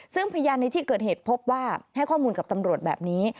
ซึ่งพยานในที่เกิดเหตุพบว่าให้ข้อมูลกับตำรวจแบบนี้